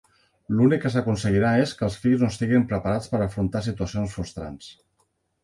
L'únic que s'aconseguirà és que els fills no estiguin preparats per afrontar situacions frustrants.